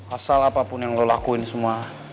asal apapun yang lo lakuin semua